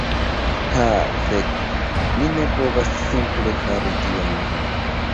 Ha fek, mi ne povas simple fari tion.